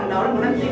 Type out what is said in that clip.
tạo nên một sân chơi